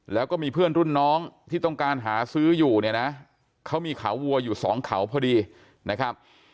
แล้วก็มีเพื่อนรุ่นน้องที่ต้องการหาซื้ออยู่เนี่ยนะเขามีเขาวัวอยู่สองเขาพอดีนะครับ